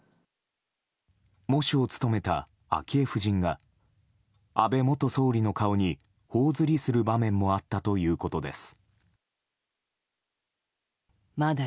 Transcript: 喪主を務めた昭恵夫人が安倍元総理の顔に頬ずりする場面もあったということです。